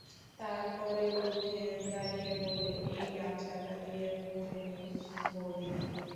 তার পরে উঠে দাঁড়িয়ে বললে, এই গামছাটা দিয়ে মুড়ে নিই বউদিদি।